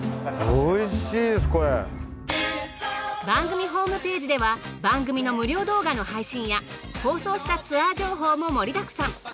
番組ホームページでは番組の無料動画の配信や放送したツアー情報も盛りだくさん。